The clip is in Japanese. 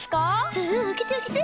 うんうんあけてあけて！